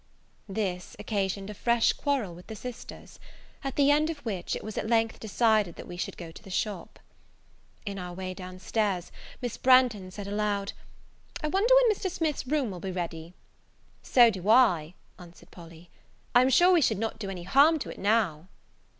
This occasioned a fresh quarrel with the sisters; at the end of which, it was at length decided that we should go to the shop. In our way down stairs, Miss Branghton said aloud, "I wonder when Mr. Smith's room will be ready." "So do I," answered Polly; "I'm sure we should not do any harm to it now."